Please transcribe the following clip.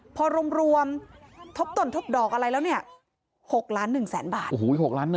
พอรวมรวมทบตนทบดอกอะไรแล้วเนี้ยหกล้านหนึ่งแสนบาทโอ้โหหกล้านหนึ่ง